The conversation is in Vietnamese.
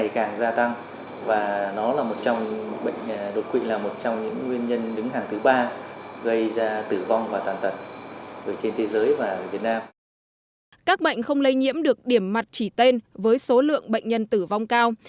các bệnh không lây nhiễm được điểm mặt chỉ tên với số lượng bệnh nhân tử vong cao